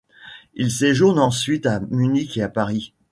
Il séjourne ensuite à Munich et à Paris.